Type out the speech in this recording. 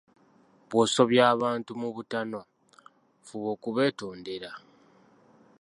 "Bw'osobya abantu mu butanwa, fuba okubeetondere."